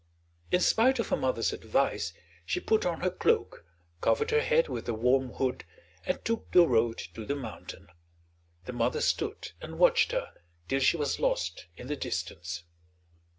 In spite of her mother's advice she put on her cloak, covered her head with a warm hood, and took the road to the mountain. The mother stood and watched her till she was lost in the distance.